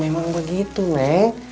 ya itu memang begitu neng